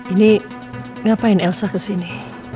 ini ngapain elsa kesini